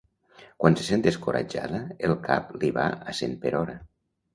Quan se sent descoratjada el cap li va a cent per hora.